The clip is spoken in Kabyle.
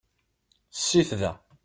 Sit da.